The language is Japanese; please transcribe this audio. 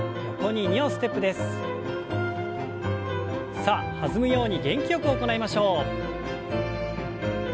さあ弾むように元気よく行いましょう。